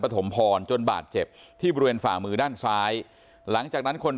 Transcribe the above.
ถมพรจนบาดเจ็บที่บริเวณฝ่ามือด้านซ้ายหลังจากนั้นคน